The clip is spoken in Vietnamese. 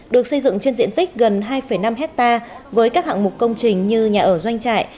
được xây dựng trên diện tích gần hai năm hectare với các hạng mục công trình như nhà ở doanh trại